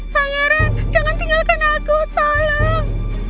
pangeran jangan tinggalkan aku tolong